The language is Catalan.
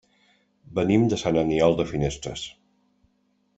Venim de Sant Aniol de Finestres.